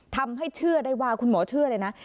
ทำให้เชื่อได้ว่าคุณหมอเชื่อเลยนะ